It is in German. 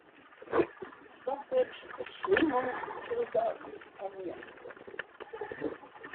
Stockbridge-Schwingungstilger installiert.